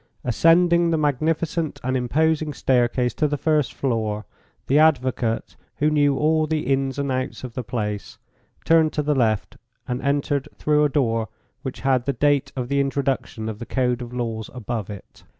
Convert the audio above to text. Ascending the magnificent and imposing staircase to the first floor, the advocate, who knew all the ins and outs of the place, turned to the left and entered through a door which had the date of the introduction of the Code of Laws above it.